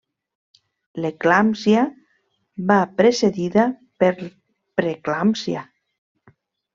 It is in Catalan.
L'eclàmpsia va precedida per preeclàmpsia.